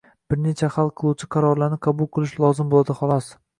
bir nechta hal qiluvchi qarorlarni qabul qilish lozim bo‘ladi, xolos.